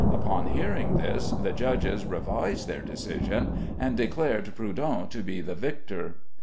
Upon hearing this, the judges revised their decision, and declared Prudhon to be the victor.